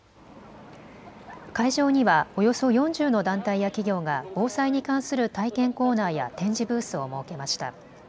会場にはおよそ４０の団体や企業が防災に関する体験コーナーや展示ブースを設けました。